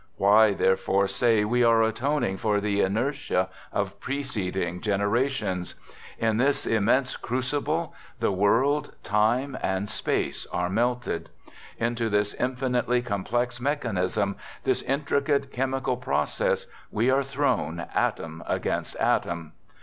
Why, therefore, say we are atoning for the inertia of preceding generations ? In this immense crucible, the world, time and space are melted. Into this infinitely complex mechanism, this intricate chemical process, we are thrown atom against atom.